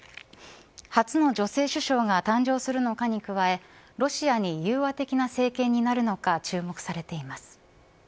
初の女性首相が誕生するのかに加えロシアに融和的な政権になるのか注目されています。